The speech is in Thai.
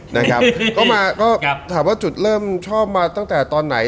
ถามว่าจุดเริ่มชอบมาตั้งแต่ตอนไหน